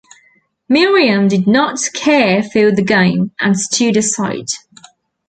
Miriam did not care for the game, and stood aside.